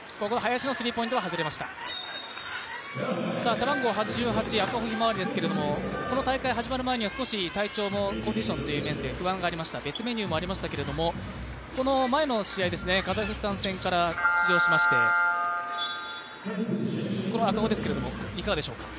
背番号８８、赤穂ひまわりですけれども、この大会始まる前には体調もコンディションという面では不安もありました、別メニューもありましたけど、この前の試合、カザフスタン戦から出場しまして、この赤穂ですがいかがでしょう？